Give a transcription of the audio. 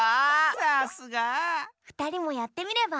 さすが！ふたりもやってみれば？